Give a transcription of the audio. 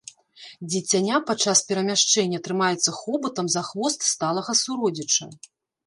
Дзіцяня падчас перамяшчэння трымаецца хобатам за хвост сталага суродзіча.